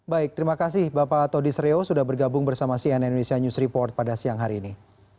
baik terima kasih bapak todis reo sudah bergabung bersama cnn indonesia news report pada siang hari ini